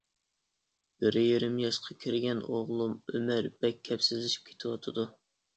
بىر يېرىم ياشقا كىرگەن ئوغلۇم ئۆمەر بەك كەپسىزلىشىپ كېتىۋاتىدۇ.